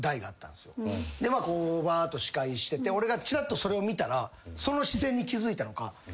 こうわーっと司会してて俺がちらっとそれを見たらその視線に気付いたのか。